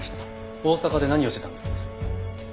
大阪で何をしてたんです？